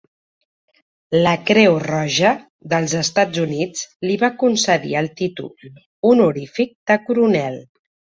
La Creu Roja dels Estats Units li va concedir el títol honorífic de coronel.